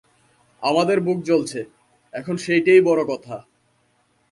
আমাদের বুক জ্বলছে, এখন সেইটেই বড়ো কথা।